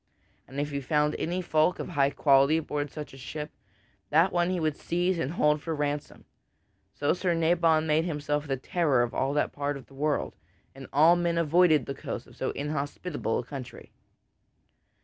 And if he found any folk of high quality aboard such a ship, that one he would seize and hold for ransom. So Sir Nabon made himself the terror of all that part of the world, and all men avoided the coasts of so inhospitable a country.